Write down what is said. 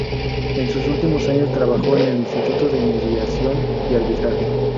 En sus últimos años trabajó en el "Instituto de Mediación y Arbitraje".